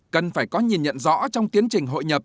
cần phải có nhìn nhận rõ trong tiến trình hội nhập